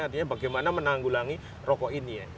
artinya bagaimana menanggulangi rokok ini ya